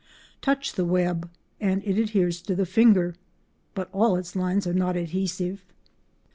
Touch the web and it adheres to the finger, but all its lines are not adhesive.